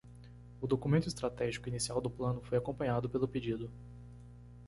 O documento estratégico inicial do plano foi acompanhado pelo pedido.